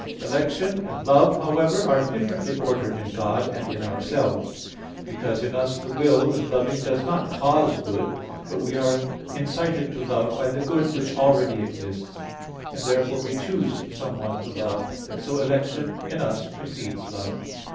3). Election and love, however, are differently ordered in God, and in ourselves: because in us the will in loving does not cause good, but we are incited to love by the good which already exists; and therefore we choose someone to love, and so election in us precedes love.